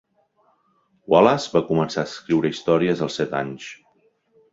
Wallace va començar a escriure històries als set anys.